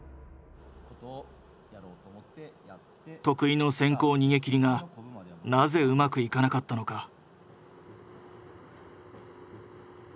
得意の先行逃げきりがなぜうまくいかなかったのか？